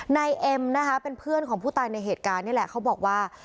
นายเอ็มนะคะเป็นเพื่อนของผู้ตายในเหตุการณ์นี่แหละเขาบอกว่า